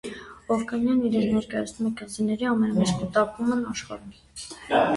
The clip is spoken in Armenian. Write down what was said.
Օվկիանիան իրենց ներկայացնում է կղզիների ամենամեծ կուտակումն աշխարհում։